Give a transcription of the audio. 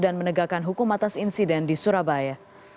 dan menegakkan hukum atas insiden di surabaya